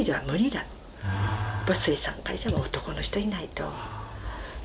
やっぱり水産会社は男の人いないと。